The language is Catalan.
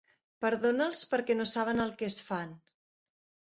Perdona'ls perquè no saben el que es fan.